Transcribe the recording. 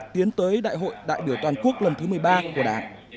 tiến tới đại hội đại biểu toàn quốc lần thứ một mươi ba của đảng